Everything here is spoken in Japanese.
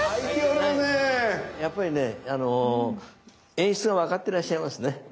やっぱりねあの演出が分かってらっしゃいますね。